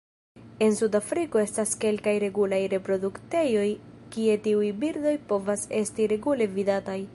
En Sudafriko estas kelkaj regulaj reproduktejoj kie tiuj birdoj povas esti regule vidataj.